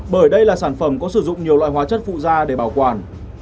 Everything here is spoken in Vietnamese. bởi đây là sản phẩm có sử dụng nhiều loại hóa chất phụ da để bảo quản